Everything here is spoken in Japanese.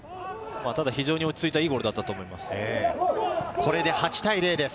非常にいい落ち着いた、いいゴールだったと思います。